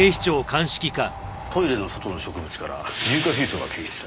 トイレの外の植物から硫化水素が検出されました。